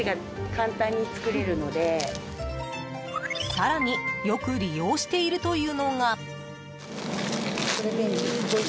更によく利用しているというのが。